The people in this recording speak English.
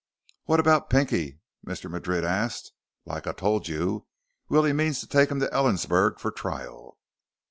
"What about Pinky?" Mr. Madrid asked. "Like I told you, Willie means to take him to Ellensburg for trial."